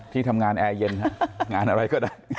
ที่ทำงานแอร์เย็นงานอะไรก็ได้